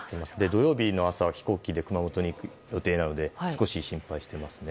土曜日の朝は飛行機で熊本に行く予定なので少し心配していますね。